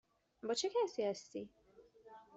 با چه کسی هستی؟